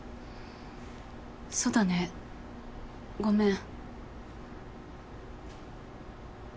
そうだねごめん。